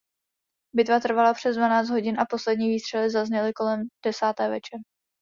Bitva trvala přes dvanáct hodin a poslední výstřely zazněly kolem desáté večer.